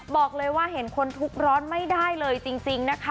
บอกเลยว่าเห็นคนทุกข์ร้อนไม่ได้เลยจริงนะคะ